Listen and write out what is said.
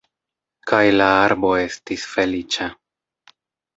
Kaj la arbo estis feliĉa.